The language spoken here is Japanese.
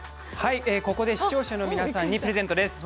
ここで視聴者の皆さんにプレゼントです。